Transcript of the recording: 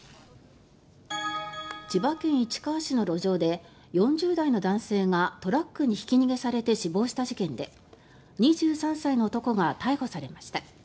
千葉県市川市の路上で４０代の男性がトラックにひき逃げされて死亡した事件で２３歳の男が逮捕されました。